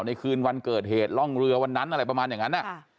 คืนวันเกิดเหตุร่องเรือวันนั้นอะไรประมาณอย่างนั้น